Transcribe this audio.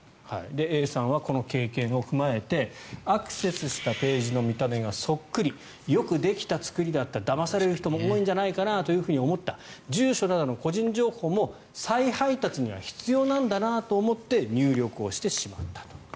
Ａさんは、この経験を踏まえてアクセスしたページの見た目がそっくりよくできた作りだっただまされる人も多いんじゃないかなと思った住所などの個人情報も再配達には必要なんだなと思って入力してしまったと。